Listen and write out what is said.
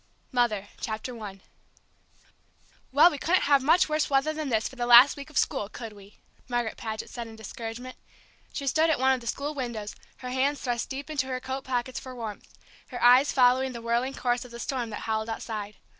JTABLE 4 7 1 MOTHER CHAPTER I "Well, we couldn't have much worse weather than this for the last week of school, could we?" Margaret Paget said in discouragement. She stood at one of the school windows, her hands thrust deep in her coat pockets for warmth, her eyes following the whirling course of the storm that howled outside.